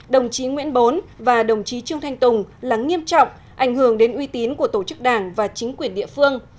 đồng chí nguyễn bốn và đồng chí trương thanh tùng là nghiêm trọng ảnh hưởng đến uy tín của tổ chức đảng và chính quyền địa phương